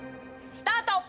スタート！